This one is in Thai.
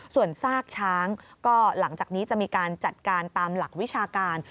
ส่วนซากช้างก็หลังจากนี้จะมีการจัดการตามหลักวิชาการ